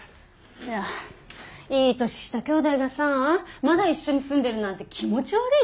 いやいい年した兄妹がさまだ一緒に住んでるなんて気持ち悪いでしょ。